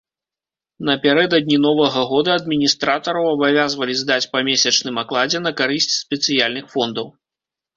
Напярэдадні новага года адміністратараў абавязвалі здаць па месячным акладзе на карысць спецыяльных фондаў.